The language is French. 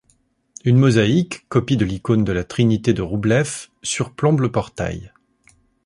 Une mosaïque, copie de l'icône de la Trinité de Roublev, surplombe le portail.